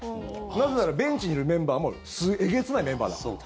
なぜならベンチにいるメンバーもえげつないメンバーだから。